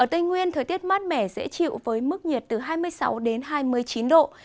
trời dễ chịu với mức nhiệt từ hai mươi sáu đến hai mươi chín độ